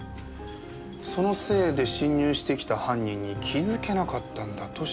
そのせいで侵入してきた犯人に気づけなかったんだとしたら。